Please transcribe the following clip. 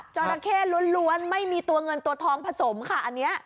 จราเข้ล้วนไม่มีตัวเงินตัวทองผสมค่ะอันนี้